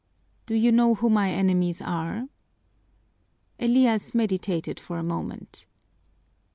"Do you know who my enemies are?" Elias meditated for a moment.